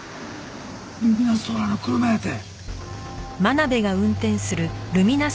ルミナスソーラーの車やて！